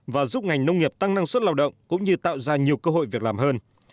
và giúp ngành nông nghiệp tăng năng suất lao động cũng như tạo ra nhiều cơ hội việc làm hơn